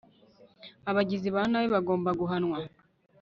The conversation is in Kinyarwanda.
abagizi ba nabi bagomba guhanwa